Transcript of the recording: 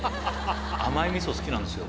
「甘い味噌好きなんですよ」